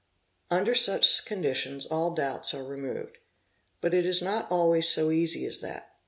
Under such conditions all doubts are removed. But it is not always so easy as that.